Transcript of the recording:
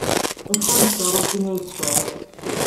Acḥal n tkeṛṛusin ay tesɛid?